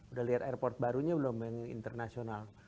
udah lihat airport barunya belum main internasional